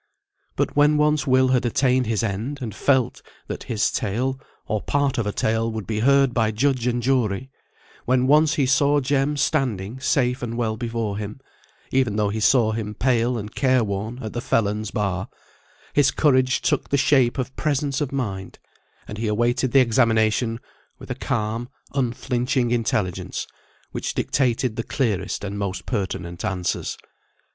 But when once Will had attained his end, and felt that his tale, or part of a tale, would be heard by judge and jury; when once he saw Jem standing safe and well before him (even though he saw him pale and care worn at the felon's bar); his courage took the shape of presence of mind, and he awaited the examination with a calm, unflinching intelligence, which dictated the clearest and most pertinent answers.